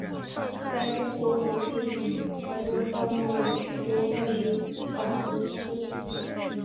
在中国古书及日本传说当中有许多关于返魂香的记载。